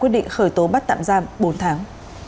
quyết định khởi tố bắt tạm giam bốn tháng